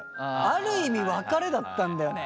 ある意味別れだったんだよね。